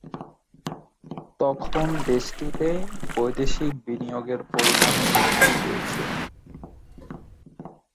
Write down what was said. তখন থেকে দেশটিতে বৈদেশিক বিনিয়োগের পরিমাণও বৃদ্ধি পেয়েছে।